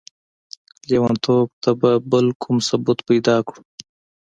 ليونتوب ته به بل کوم ثبوت پيدا کړو؟!